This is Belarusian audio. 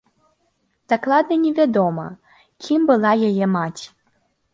Дакладна не вядома, кім была яе маці.